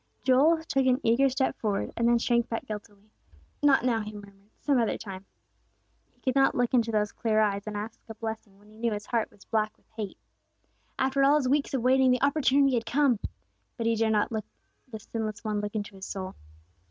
Joel took an eager step forward, and then shrank back guiltily. "Not now," he murmured, "some other time." He could not look into those clear eyes and ask a blessing, when he knew his heart was black with hate. After all his weeks of waiting the opportunity had come; but he dared not let the Sinless One look into his soul.